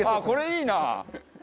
これいいな。